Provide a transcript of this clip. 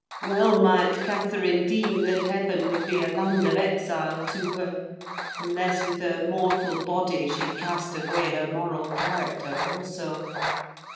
Well might Catherine deem that heaven would be a land of exile to her, unless with her mortal body she cast away her moral character also.